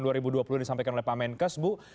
disampaikan oleh pak menkes